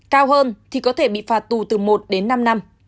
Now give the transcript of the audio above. chỉ có thể bị phạt tù từ một đến năm năm